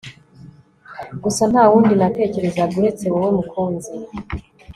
gusa ntawundi natekerezaga uretse wowe mukunzi